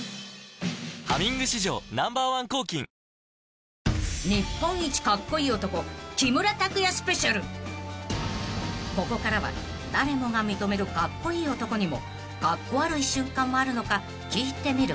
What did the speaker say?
「ハミング」史上Ｎｏ．１抗菌［ここからは誰もが認めるカッコイイ男にもカッコ悪い瞬間はあるのか聞いてみることに］